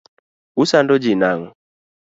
Usando ji nang'o?